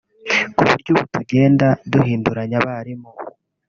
ku buryo ubu tugenda duhinduranya abarimu